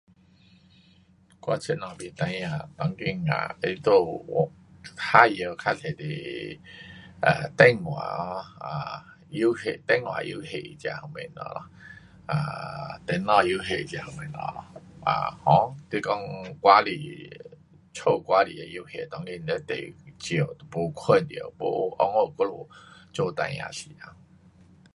我这头边孩儿当今啊他也有玩耍较多是 um 电话啊，电话游戏这样东西咯 um 电脑游戏这样东西。um 啊 um 你说外里，家外里的游戏当今非常少，没看见到，没学我们做孩儿时头。